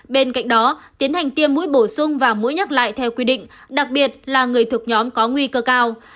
bên cạnh đó tiến hành tiêm mũi bổ sung và mũi nhắc lại theo quy định đặc biệt là người thuộc nhóm có nguy cơ cao